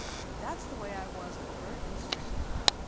That's the way I was with Bert and Stricky.